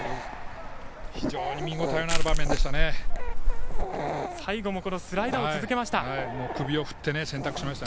非常に見応えのある場面でした。